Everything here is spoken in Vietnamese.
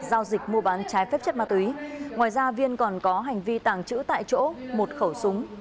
giao dịch mua bán trái phép chất ma túy ngoài ra viên còn có hành vi tàng trữ tại chỗ một khẩu súng